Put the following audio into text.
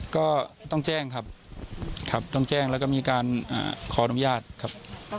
ก็ต้องแจ้งครับครับต้องแจ้งแล้วก็มีการขออนุญาตครับ